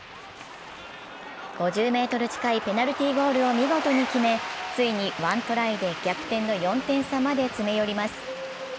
５０ｍ近いペナルティーゴールを見事に決め、ついにワントライで逆転の４点差まで詰め寄ります。